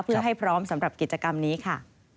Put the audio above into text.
เพื่อให้พร้อมสำหรับกิจกรรมนี้ค่ะ